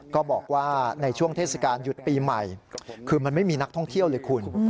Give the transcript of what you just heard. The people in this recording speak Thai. ก็บอกว่าในช่วงเทศกาลหยุดปีใหม่คือมันไม่มีนักท่องเที่ยวเลยคุณ